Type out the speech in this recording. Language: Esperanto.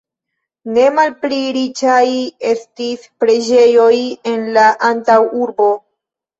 Ne malpli riĉaj estis preĝejoj en la antaŭurbo.